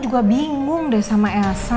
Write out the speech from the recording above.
juga bingung deh sama elsa